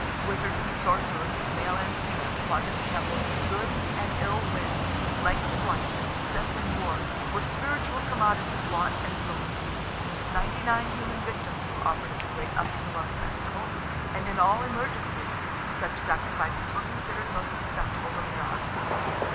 Wizards and sorcerers, male and female, haunted the temples, and good and ill winds, length of life, and success in war, were spiritual commodities bought and sold. Ninety nine human victims were offered at the great Upsala festival, and in all emergencies such sacrifices were considered most acceptable to the gods.